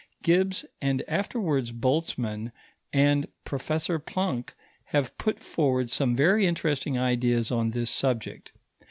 Gibbs and afterwards Boltzmann and Professor Planck have put forward some very interesting ideas on this subject.